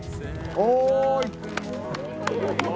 おい！